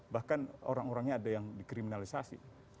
bahkan orang orangnya ada yang dikriminalisasi